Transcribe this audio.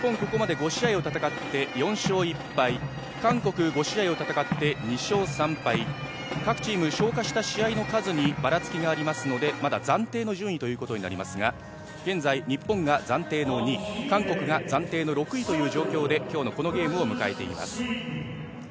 ここまで５試合を戦って４勝１敗韓国５試合を戦って２勝３敗、各チーム消化した試合の数にばらつきがありますのでまだ暫定の順位ということになりますが、現在、日本が暫定の２位韓国が暫定の６位という状況で今日のこのゲームを迎えています。